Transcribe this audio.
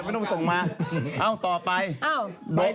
ไม่ต้องมาบอกต่อไป